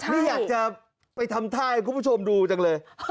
นี่อยากจะไปทำท่าให้คุณผู้ชมดูจังเลย